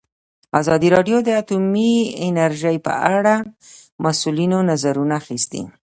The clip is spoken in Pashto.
ازادي راډیو د اټومي انرژي په اړه د مسؤلینو نظرونه اخیستي.